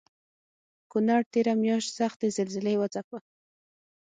کونړ تېره مياشت سختې زلزلې وځپه